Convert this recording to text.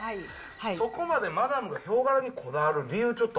そこまでマダムがヒョウ柄にこだわる理由、ちょっと。